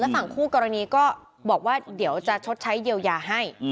ฝั่งคู่กรณีก็บอกว่าเดี๋ยวจะชดใช้เยียวยาให้